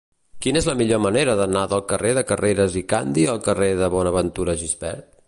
Quina és la millor manera d'anar del carrer de Carreras i Candi al carrer de Bonaventura Gispert?